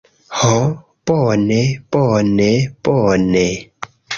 Ho, bone, bone, bone.